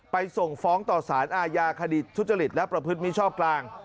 ส่งฟ้องต่อสารอาญาคดีทุจริตและประพฤติมิชชอบกลาง